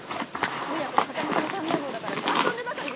無役の旗本の三男坊だからって遊んでばかりでいいのですか？